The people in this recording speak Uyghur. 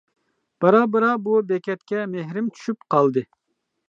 بارا-بارا بۇ بېكەتكە مېھرىم چۈشۈپ قالدى.